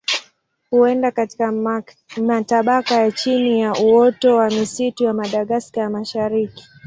Huenda katika matabaka ya chini ya uoto wa misitu ya Madagaska ya Mashariki.